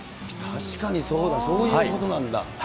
確かにそうだ、そういうことなんだ。